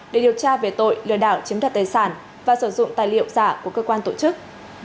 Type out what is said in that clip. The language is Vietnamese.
để điều tra về tội lừa đảo chiếm đoạt tài sản và sử dụng tài liệu giả của cơ quan tổ chức